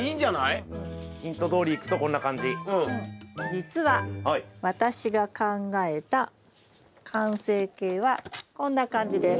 じつは私が考えた完成形はこんな感じです。